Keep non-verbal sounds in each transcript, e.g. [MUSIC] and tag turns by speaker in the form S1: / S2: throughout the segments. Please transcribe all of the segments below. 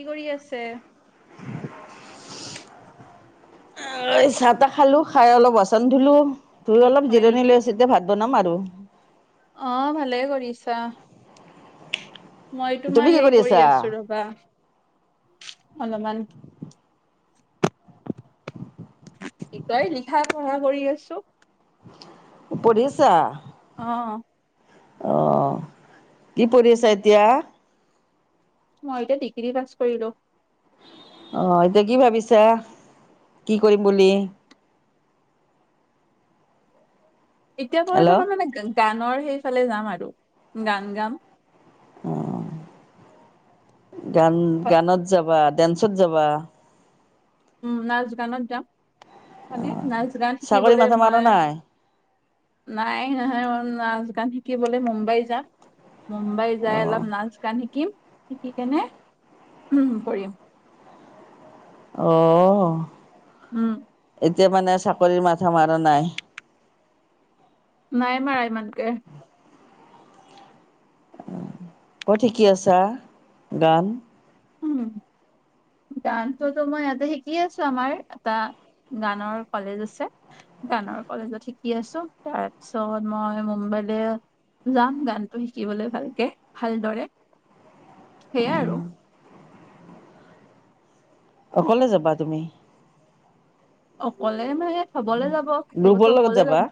S1: কি কৰি আছে
S2: অঐ চাহ তাহ খালোঁ খাই অলপ বাচন ধুলো ধুই অলপ
S1: হয়
S2: জিৰণি লৈ
S1: নেকি
S2: আছো এতিয়া ভাত বনাম আৰু
S1: অহ ভালে কৰিছা মই
S2: তুমি
S1: তোমাৰ
S2: কি
S1: সেই কৰি
S2: আছা
S1: আছো ৰবা অলমান কি কয় লিখা পঢ়া কৰি আছো
S2: পঢ়িছা
S1: অহ
S2: অহ কি পঢ়ি আছা এতিয়া
S1: মই এতিয়া ডিগ্ৰী পাছ কৰিলোঁ
S2: অহ এতিয়া কি ভাবিছা কি কৰিম বুলি।
S1: এতিয়া কয়
S2: হেল্ল'
S1: পাবা মানে গানৰ সেইফালে যাম আৰু গান গাম
S2: উম গান গানত যাবা ডেন্সত যাবা
S1: উম নাচ গানত যাম মানে নাচ গান
S2: চাকৰি
S1: শিকিবলৈ
S2: মাথা মাৰা
S1: মই
S2: নাই
S1: নাই নহয় মই নাচ গান শিকিবলৈ মুম্বাই যাম। মুম্বাই
S2: অ
S1: যাই অলপ নাচ গান শিকিম শিকি কেনে উম কৰিম
S2: অ'হ
S1: উম
S2: এতিয়া মানে চাকৰিৰ মাথা মাৰা নাই
S1: নাই মাৰা ইমানকে।
S2: কত শিকি আছা গান
S1: উম ডান্সটোতো মই ইয়াতে শিকি আছো আমাৰ এটা গানৰ কলেজ আছে গানৰ কলেজত শিকি আছো তাৰপিছত মই মুম্বাইলে যাম গানটো শিকিবলে ভালকে ভালদৰে সেইয়াই আৰু
S2: অকলে যাবা তুমি
S1: অকলে মানে থবলে যাব থাকিবতো
S2: গ্ৰুপৰ লগত
S1: অকলে
S2: যাবা
S1: লাগিব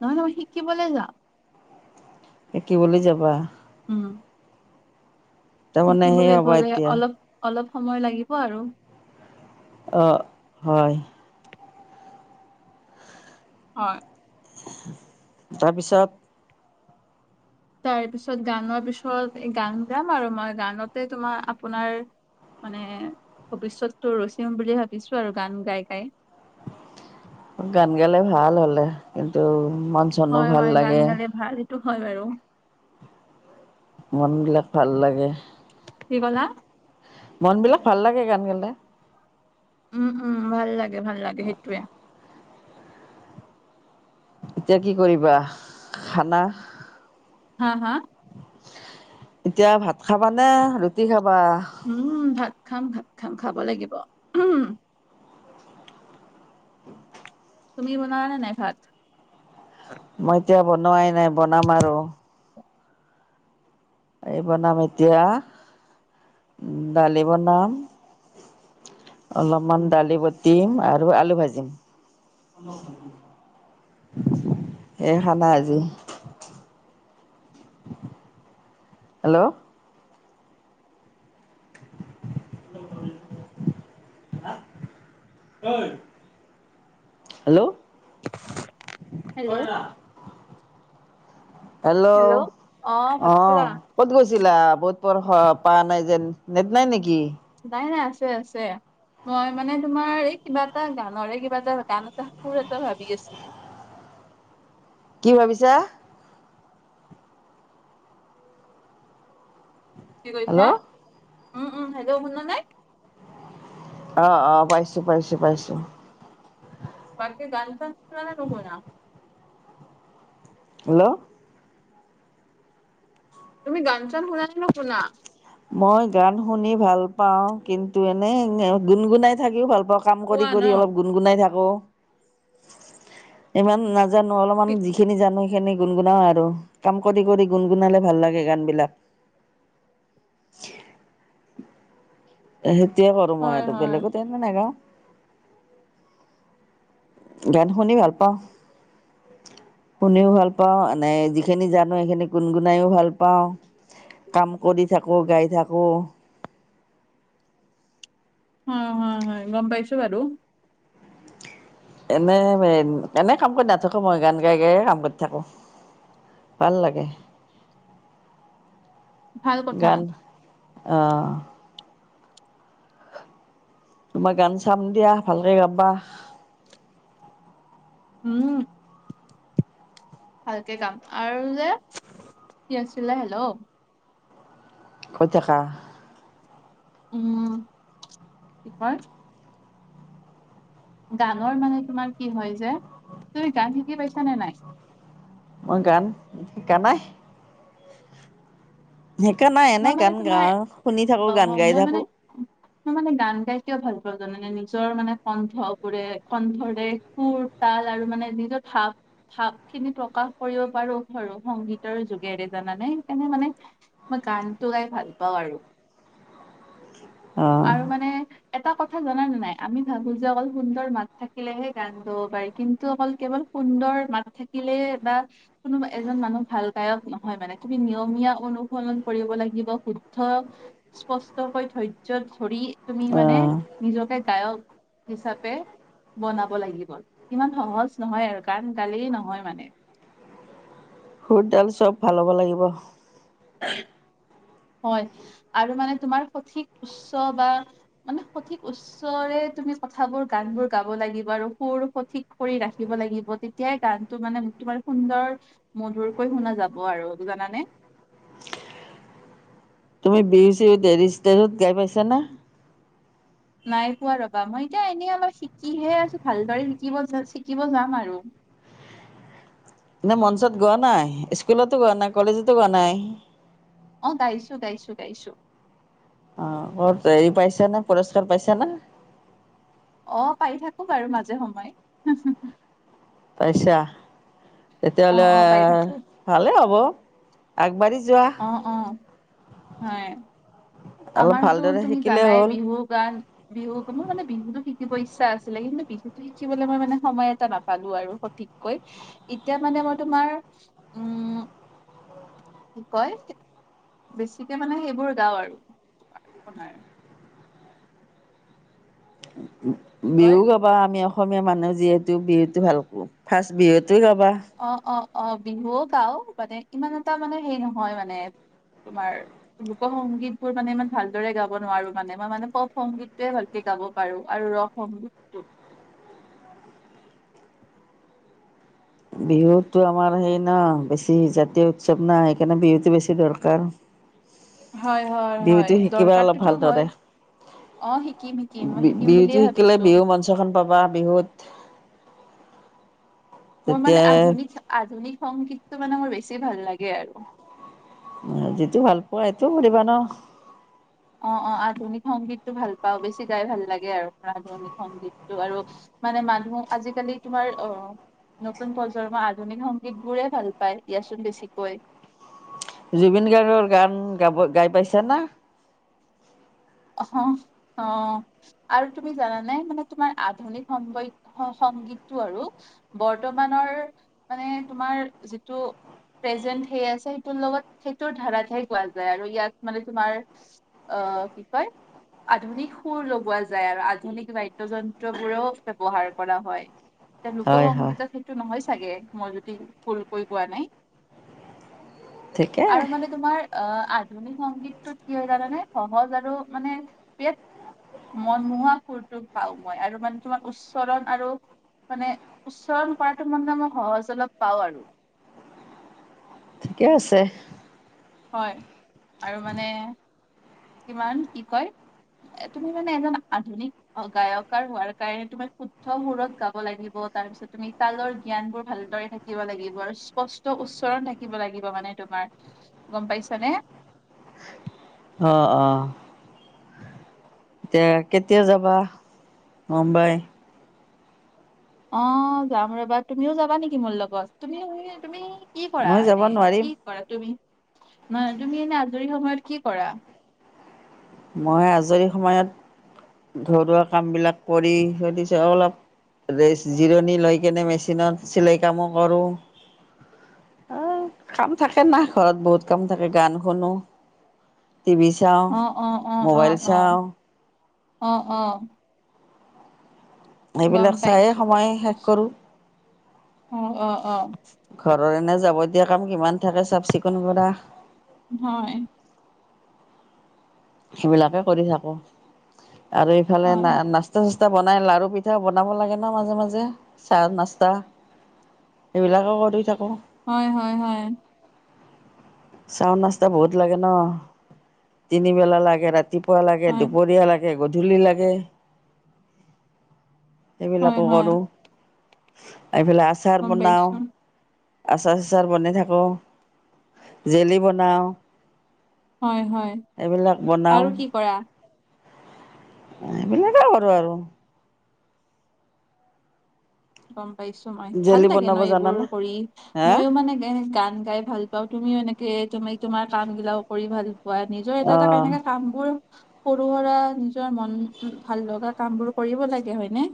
S1: নহয় নহয় শিকিবলে যাওঁ
S2: শিকিবলৈ যাবা
S1: উম
S2: তাৰমানে সেই
S1: শিকিবলে
S2: হ'ব
S1: গ'লে
S2: এতিয়া
S1: অলপ অলপ সময় লাগিব আৰু
S2: অহ হয়
S1: হয়
S2: তাৰপিছত
S1: তাৰপিছত গানৰ পিছত গান গাম আৰু মই গানতে তোমাৰ আপোনাৰ মানে ভৱিষ্যত টোৰ ৰচিম বুলি ভাবিছো আৰু গান গাই গাই
S2: গান গালে ভাল হলে কিন্তু মন চনো
S1: হয়
S2: ভাল
S1: হয়, গান
S2: লাগে
S1: গালে ভাল এইটো হয় বাৰু।
S2: মনবিলাক ভাল লাগে।
S1: কি কলা?
S2: মন বিলাক ভাল লাগে গান গালে।
S1: উম উম, ভাল লাগে ভাল লাগে সেইটয়ে।
S2: এতিয়া কি কৰিবা খানা।
S1: হা হা?
S2: এতিয়া ভাত খাবা নে, ৰুটি খাবা?
S1: উম, ভাত খাম ভাত খাম খাব লাগিব উম। তুমি বনোৱা নে নাই ভাত।
S2: মই এতিয়া বনোৱাই নাই বনাম আৰু। এই বনাম এতিয়া, দালি বনাম। অলপমান দালি বটিম আৰু আলু ভাজিম। এই খানা আজি। হেল্ল'। হেল্ল'। হয়
S1: হেল্ল'
S2: না [UNINTELLIGIBLE] হেল্ল'
S1: অ ভাত খালা
S2: অ'। ক'ত গৈছিলা বত পৰ প নাই যেন নেট নাই নেকি [UNINTELLIGIBLE]
S1: নাই নাই আছে আছে। মই মানে তোমাৰ এই কিবা এটা গানৰে কিবা এটা গান এটা সোৰ এটা ভাবি আছিলো।
S2: কি ভাবিছা?
S1: কি কৈছা,
S2: হেল্ল'
S1: উম উম হেল্ল' শুনা নাই?
S2: অঁ অঁ, পাইছোঁ পাইছোঁ পাইছোঁ।
S1: বাকে গান চা নহুনা [UNINTELLIGIBLE]
S2: হেল্ল'।
S1: তুমি গান চান শুনা নে নুশুনা।
S2: মই গান শুনি ভাল পাওঁ। কিন্তু এনেই গুণ গুণাই থাকিও ভাল পাওঁ। কাম কৰি
S1: শুৱা ন
S2: কৰি অলপ গুণগুণাই থাকো। ইমান নাজানো অলপমান যিখিনি জানো। খিনি গুণ গুনাও আৰু কাম কৰি কৰি গুণ গুণালে ভাল লাগে গান বিলাক। [UNINTELLIGIBLE] [INAUDIBLE] সেইটয়ে কৰোঁ মই
S1: হয়
S2: আৰু,
S1: হয়
S2: বেলেগত এনে নাগাওঁ। গন শুনি ভাল পাও। শুনিও ভাল পাওঁ, মানে যিখিনি জানো সেইখিনি গুণগুণাইও ভাল পাওঁ। কাম কৰি থাকোঁ, গাই থাকোঁ।
S1: অ' হয় হয় গম পাইছো বাৰু।
S2: এনেই এনে কাম কৰি নাথাকো মই। গান গাই গাই কাম কৰি থাকো। ভাল লাগে।
S1: ভাল কথা
S2: গান আহ। তোমাৰ গান চাম দিয়া ভালকে গাবা।
S1: উম। ভালকে গাম, আৰু যে কি আছিলে হেল্ল''।
S2: কৈ থাকা।
S1: উম, কি কয়। গানৰ মানে তোমাৰ কি হয় যে, তুমি গান শিকি পাইছ নে নাই?
S2: মই গান শিকা নাই। সিকা নাই
S1: মই
S2: এনেই
S1: মানে
S2: গান গা
S1: তোমাৰ
S2: শুনি থাকো
S1: অ
S2: গান গাই
S1: মই মানে
S2: থাকো।
S1: মই মানে গান গাই কিয়ও ভাল পাওঁ জানোনে নিজৰ মানে কণ্ঠবোৰে কণ্ঠৰে সুৰ তাল আৰু মানে নিজৰ ভাপ ভাৱ খিনি প্ৰকাশ কৰিব পাৰো ধৰো সংগীতৰ যোগেৰে জানানে সেইকাৰণে মানে মই গানটো গাই ভাল পাওঁ আৰু।
S2: অ
S1: আৰু মানে এটা কথা জনা নে নাই আমি ভাবো যে অকল সুন্দৰ মাত থাকিলেহে গান গাব পায়। কিন্তু অকল কেৱল সুন্দৰ মাত থাকিলে বা কোনো এজন মানুহ ভাল গায়ক নহয় মানে তুমি নিয়মীয়া অনু ফলন কৰিব লাগিব শুদ্ধ স্পষ্টকৈ ধৈৰ্য ধৰি তুমি
S2: অ
S1: মানে নিজকে গায়ক হিচাপ- পে বনাব লাগিব ইমান সহজ নহয় আৰু কাৰণ গালি নহয় মানে।
S2: সুুৰডাল চব ভাল হ'ব লাগিব।
S1: হয় আৰু মানে তোমাৰ সঠিক উচ্চ বা মানে সঠিক উচ- চৰে তুমি কথাবোৰ গান বোৰ গাব লাগিব আৰু সুৰ সঠিক কৰি ৰাখিব লাগিব। তেত- তেতিয়াই গানটো মানে তোমাৰ সুন্দৰ মধুৰকৈ শুনা যাব আৰু জানানে।
S2: তুমি বিৰ চিৰ টেৰিষ্ট তেৰত গাই পাইছা না?
S1: নাই পোৱা ৰবা মই এতিয়া এনেই অলপ শিকিহে আছো ভালদৰে শিকিব জাজ শিকিব যাম আৰু।
S2: এই মঞ্চত গোৱা নাই, স্কুলতো গোৱা নাই, কলেজতো গোৱা নাই?
S1: অ গাইছো গাইছো গাইছো।
S2: অ ক'ত হেৰি পাইছা না পুৰস্কাৰ পাইছা না?
S1: অ পাই থাকো বাৰু মাজে সময়ে।
S2: পাইছা তেতিয়া
S1: অ
S2: হ'লে
S1: অ পাই থাকো
S2: ভালে হ'ব আগবাঢ়ি যোৱা।
S1: অ অ হয়।
S2: অলপ
S1: আমাৰতো
S2: ভালদৰে
S1: তুমি
S2: শিকিলেই
S1: জানাই
S2: হ'ল।
S1: বিহু গান বিহু মোৰ মানে বিহুতো শিকিব ইচ্ছা আছিলে কিন্তু বিহুতো শিকিবলৈ মই মানে সময় এটা নাপালো আৰু। ঠিককৈ এতিয়া মানে মই তোমাৰ উম কি কয় বেছিকে মানে সেইবোৰ গাও আৰু। বনায়। কি কয়
S2: বিহু গাব বা আমি অসমীয়া মানুহ যিহেতু বিহুতো ভাল কৰ ফাৰ্ষ্ট বিহুতে গাবা।
S1: অ অ অ বিহুও গাও মানে ইমান এটা মানে সেই নহয় মানে তোমাৰ লোক সংগীত বোৰ মানে ইমান ভালদৰে গাব নোৱাৰো মানে মই মানে পপ সংগীতটোয়ে ভাল কে গাব পাৰো আৰু ৰস সংগীতটো।
S2: বিহুতো আমাৰ সেই ন বেছি জাতীয় উৎসৱ নাই সেইকাৰণে বিহুতো বেছি দৰকাৰ।
S1: হয় হয় হয়
S2: বিহুটো শিকিবা অলপ
S1: দৰকাৰটোতো হয়
S2: ভালদৰে।
S1: অ শিকিম শিকিম মই
S2: বি
S1: শিকিম বুলিয়ে
S2: বিহুতো শিকিলে
S1: ভাবিছো
S2: বিহু মঞ্চখন পাবা বিহুত।
S1: মোৰ মানে
S2: তেতিয়াই
S1: আধুনিক আধুনিক সংগীতটো মানে মোৰ বেছি ভাল লাগে আৰু।
S2: যিটো ভাল পোৱা এইটো কৰিবা ন।
S1: অ অ আধুনিক সংগীতটো ভাল পাওঁ বেছি গাই ভাল লাগে আৰু আধুনিক সংগীতটো আৰু। মানে মানুহ আজিকালি তোমাৰ অ নতুন প্ৰজন্মৰ আধুনিক সংগীত বোৰে ভাল পায় দিয়াচোন বেছিকৈ।
S2: জুবিন গাৰ্গৰ গান গাব গাই পাইছা না?
S1: অঁহ হঁ। আৰু তুমি জানানে মানে তোমাৰ আধুনিক সংগ সংগীতটো আৰু বৰ্তমানৰ মানে তোমাৰ যিটো প্ৰেজেন্ট সেই আছে সেইটোৰ লগত সেইটোৰ ধাৰাতহে কোৱা যায় আৰু ইয়াত মানে তোমাৰ অ' কি কয় আধুনিক সুৰ লগোৱা যায় আৰু আধুনিক বাদ্য যন্ত্ৰ বোৰেও ব্যৱহাৰ কৰা হয়। [INAUDIBLE] এতিয়া
S2: হয় হয়
S1: লোকসংগীতত সেইটো নহয় চাগে মই যুদি ভুলকৈ কোৱা নাই।
S2: ঠিকে
S1: আৰু মানে তোমাৰ অ আধুনিক সংগীতটোত কি হয় জানা নে সহজ আৰু মানে বি মনমোহোৱা সুৰটো পাওঁ মই আৰু মানে তোমাৰ উচ্চৰণ আৰু মানে উচ্চৰণ কৰাটো মানে মই সহজ অলপ পাওঁ আৰু।
S2: ঠিকে আছে।
S1: হয় আৰু মানে কিমান কি কয় তুমি মানে এজন আধুনিক অ' গায়কাৰ হোৱাৰ কাৰণে তোমাৰ শুদ্ধ সুৰত গাব লাগিব, তাৰ পিছত তুমি তালৰ জ্ঞান বোৰ ভালদৰে থা কিব লাগিব আৰু স্পষ্ট উচ্চৰণ থাকিব লাগিব মানে তোমাৰ, গম পাইছা নে?
S2: অঁ অঁ। এতিয়া কেতিয়া যাবা মুম্বাই?
S1: অঁ যাম ৰবা, তুমিও যাবা নেকি মোৰ লগত? তুমি তুমি কি কৰা
S2: মই যাব
S1: এনে?
S2: নোৱাৰিম,
S1: কি কৰা তুমি, মানে তুমি এনে আজৰি সময়ত কি কৰা?
S2: মই আজৰি সময়ত ঘৰুৱা কাম বিলাক কৰি ধৰি লোৱা অলপ ৰেষ্ট জিৰণি লৈ কেনে মেচিনত চিলাই কামো কৰোঁ। এ কাম থাকে না ঘৰত বহুত কাম থাকে গান শুনো। তিভি চাওঁ।
S1: অঁ অঁ অঁ
S2: মোবাইল
S1: অঁ,
S2: চাওঁ,
S1: অঁ অঁ। গম
S2: সেইবিলাক চায়ে
S1: পাইছো গম
S2: সময় শেষ
S1: পাইছো
S2: কৰোঁ।
S1: অ' অ' অ'।
S2: ঘৰৰ এনে যাবতীয়া কাম কিমান থাকে চাফ চিকুণ কৰা।
S1: হয়।
S2: সেইবিলাকে কৰি থাকো, আৰু ইফালে না
S1: হয়
S2: নাস্তা চা স্তা বনাই লাৰু পিঠা বনাব লাগে ন মাজে মাজে চাহ নাস্তা। সেইবিলাকো কৰি থাকোঁ।
S1: হয় হয় হয়।
S2: চাহ নাস্তা বহুত লাগে ন তিনিবেলা লাগে, ৰাতি পুৱা লাগে,
S1: হয়
S2: দুপৰীয়া লাগে, গধূলি লাগে।
S1: হয়
S2: সেইবিলাকো
S1: হয়
S2: কৰোঁ, এইফালে আচাৰ
S1: গম
S2: বনাওঁ।
S1: পাইছো।
S2: আচাৰ চাচাৰ বনাই থাকোঁ। জেলি বনাও,
S1: হয় হয়
S2: এইবিলাক বনাও।
S1: আৰু কি কৰা
S2: এইবিলাকে কৰোঁ আৰু।
S1: গম পাইছো মই, ভাল
S2: জেলি
S1: লাগে ন
S2: বনাব
S1: এইবোৰ
S2: জানানে
S1: কৰি।
S2: হা
S1: মইয়ো মানে গান গাই ভাল পাওঁ, বা তুমিও এনেকে তুমি তোমাৰ কাম বিলাকো কৰি ভাল পোৱা নিজৰ এটা এটা
S2: অঁ
S1: তেনেকা কাম বোৰ সৰু সুৰা নিজৰ মন ভাল লগা কাম বোৰ কৰিব লাগে হয়নে?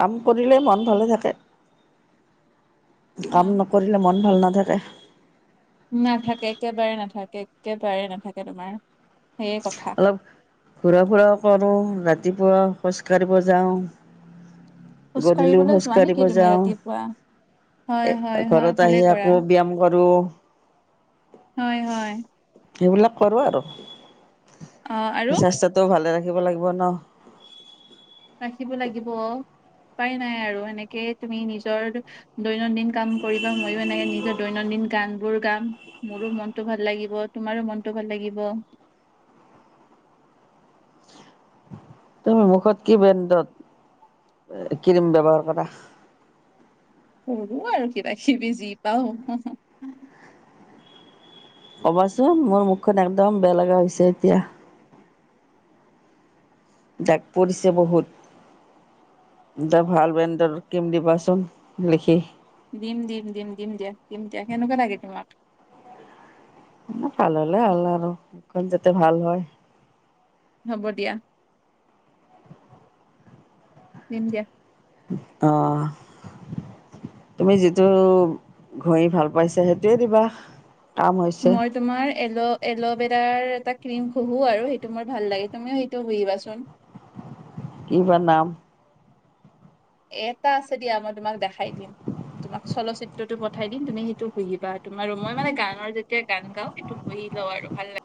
S2: কাম কৰিলে মন ভালে থাকে। কাম
S1: হয়
S2: নকৰিলে মন ভাল নাথাকে।
S1: নাথাকে একেবাৰে নাথাকে একেবাৰে নাথাকে তোমাৰ। সেয়ে কথা
S2: অলপ ঘুৰা ফুৰাও কৰো, ৰাতিপুৱা খোজ কাঢ়িব যাও।
S1: খোজ
S2: গধূলিও
S1: কাঢ়িবলৈ
S2: খোজ
S1: যোৱা
S2: কঢ়িব
S1: নেকি তুমি
S2: যাওঁ।
S1: ৰাতিপুৱা হয় হয়
S2: এ
S1: হয়
S2: ঘৰত
S1: ভালে
S2: আহি
S1: কৰা
S2: আকৌ ব্যায়াম কৰো।
S1: হয় হয়।
S2: সেইবিলাক কৰো আৰু,
S1: অ আৰু
S2: স্বাস্থ্যটোও ভালে ৰাখিব লাগিব ন?
S1: ৰাখিব লাগিব, উপাই নাই আৰু এনেকে তুমি নিজৰ দৈনন্দিন কাম কৰিবা, মইয়ো এনেকে নিজৰ দৈনন্দিন গান বোৰ গাম, মোৰো মনতটো ভাল লাগিব তোমাৰো মনতটো ভাল লাগিব।
S2: তুমি মুখত কি ব্ৰেণ্ডত ক্ৰীম? ব্যৱহাৰ কৰা
S1: কৰো আৰু কিবা কিবি যি পাওঁ।
S2: ক'বাচোন মোৰ মুখখন একদম বেয়া লগা হৈছে এতিয়া। জাগ পৰিছে বহুত। এটা ভাল ব্ৰেণ্ডৰ ক্ৰীম দিবাচোন লিখি।
S1: দিম, দিম, দিম, দিম দিয়া, দিম দিয়া কেনেকুৱা লাগে তোমাক?
S2: ভাল হ'লে হ'ল আৰু, মোখখন যাতে ভাল হয়।
S1: হ'ব দিয়া। দিম দিয়া।
S2: অ'। তুমি যিটো ঘূৰি ভাল পাইছা সেইটোৱে দিবা। কাম হৈছে
S1: মই তোমাৰ এল এল'ভেৰাৰ এটা ক্ৰীম ঘোহো আৰু সেইটো মোৰ ভাল লাগে, তুমিও সেইটো পুহিবাচোন।
S2: কিবা নাম?
S1: এ এটা আছে দিয়া মই তোমাক দেখাই দিম। তোমাক চলচিত্ৰটো পঠাই দিম তুমি সেইটো ঘহিবা, তুমাৰ মই মানে গানৰ যেতিয়া গান গাওঁ সেইটো ঘোহি লওঁ আৰু ভাল লাগে।